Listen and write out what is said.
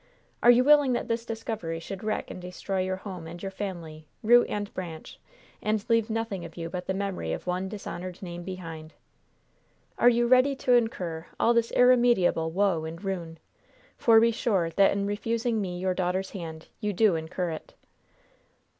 Are you willing that this discovery should wreck and destroy your home and your family, root and branch, and leave nothing of you but the memory of one dishonored name behind? Are you ready to incur all this irremediable woe and ruin? For be sure that in refusing me your daughter's hand, you do incur it."